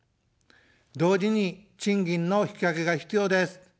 同時に賃金の引き上げが必要です。